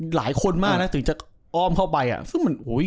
หลายคนมาถึงจะอ้อมเข้าไป